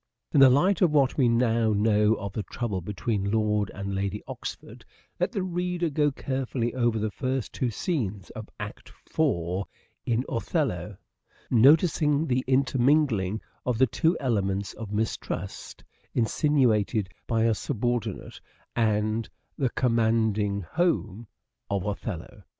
In the light of what we now know of the trouble A striking between Lord and Lady Oxford, let the reader go parallel, carefully over the first two scenes of Act IV in " Othello," noticing the intermingling of the two elements of mistrust insinuated by a subordinate, and the " commanding home " of Othello.